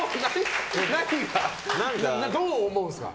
どう思うんですか？